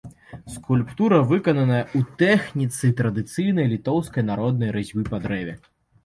Скульптура выкананая ў тэхніцы традыцыйнай літоўскай народнай разьбы па дрэве.